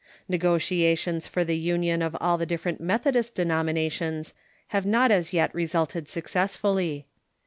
Negotiations for the union of all the rlifferent Methodist denominations have not as yet resulted success fully.